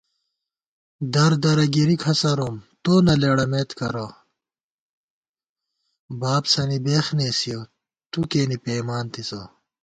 دردرہ گِرِی کھسَروم ، تو نہ لېڑَمېت کرہ * بابسَنی بېخ نېسِیَؤ تُو کېنے پېئیمانتِسہ